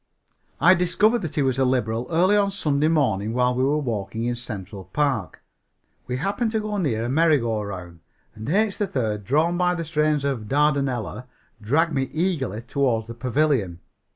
I discovered that he was a liberal early on Sunday morning while we were walking in Central Park. We happened to go near the merry go round and H. 3rd, drawn by the strains of "Dardanella," dragged me eagerly toward the pavilion.